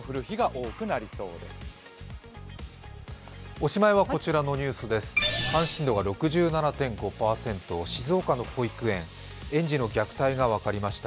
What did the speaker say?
おしまいは、関心度が６７．５％、静岡の保育園、園児の虐待が分かりました。